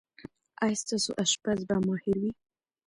ایا ستاسو اشپز به ماهر وي؟